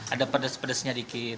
ada pedes pedesnya dikit